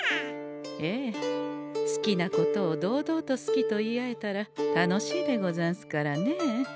ええ好きなことを堂々と好きと言い合えたら楽しいでござんすからねえ。